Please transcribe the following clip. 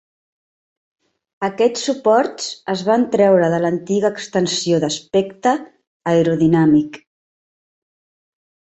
Aquests suports es van treure de l'antiga extensió d'aspecte aerodinàmic.